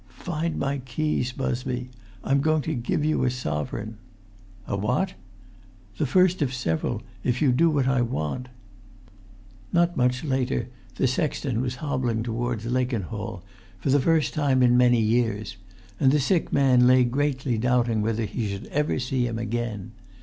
"Find my keys, Busby. I'm going to give you a sovereign——" "A what?" "The first of several if you do what I want!" Not much later the sexton was hobbling towards Lakenhall, for the first time in many years; and the sick man lay greatly doubting whether he should ever see him again.